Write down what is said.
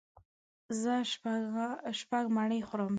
زه شپږ مڼې خورم.